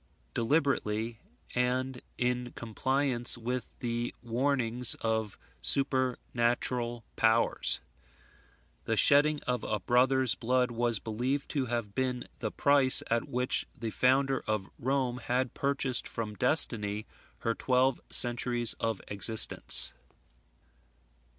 deliberately, and in compliance with the warnings of supernatural powers. The shedding of a brother's blood was believed to have been the price at which the founder of Rome had purchased from destiny her twelve centuries of existence.